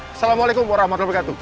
assalamualaikum warahmatullahi wabarakatu